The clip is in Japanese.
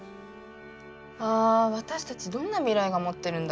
あ私たちどんな未来が待ってるんだろ。